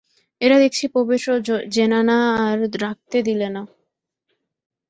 এরা দেখছি পবিত্র জেনানা আর রাখতে দিলে না।